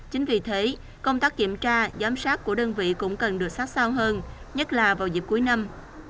chính vì thế công tác kiểm tra giám sát của đơn vị cũng cần được sát sao hơn nhất là vào dịp cuối năm